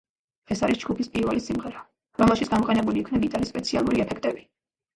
ეს არის ჯგუფის პირველი სიმღერა, რომელშიც გამოყენებული იქნა გიტარის სპეციალური ეფექტები.